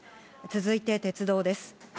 続いて鉄道です。